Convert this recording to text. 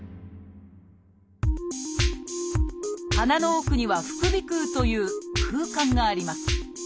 鼻の奥には「副鼻腔」という空間があります。